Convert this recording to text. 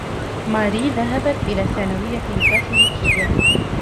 ماري ذهبت إلى ثانوية كاثوليكية.